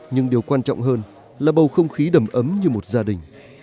nhưng điều quan trọng hơn là bầu không khí đầm ấm như một gia đình